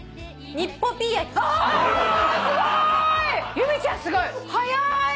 由美ちゃんすごい！早い！